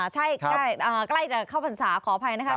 ใช่ใกล้จะเข้าพรรษาขออภัยนะครับ